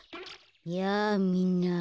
やあみんな。